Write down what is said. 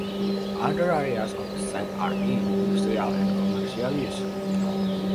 Other areas of the site are in industrial and commercial use.